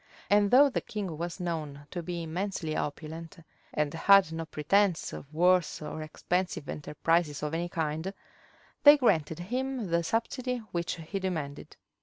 And though the king was known to be immensely opulent, and had no pretence of wars or expensive enterprises of any kind, they granted him the subsidy which he demanded.